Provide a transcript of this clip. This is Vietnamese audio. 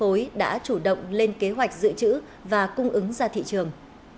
hôm nay các đơn vị phân phối đã chủ động lên kế hoạch dự trữ và cung ứng ra thị trường